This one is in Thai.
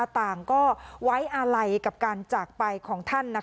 ต่างก็ไว้อาลัยกับการจากไปของท่าน